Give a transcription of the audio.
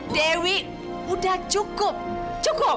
dewi udah cukup cukup